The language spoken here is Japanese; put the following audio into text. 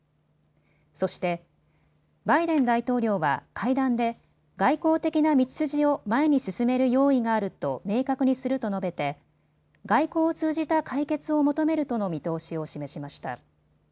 そして、バイデン大統領は会談で外交的な道筋を前に進める用意があると明確にすると述べて外交を通じた解決を求めるとの見通しを示しました。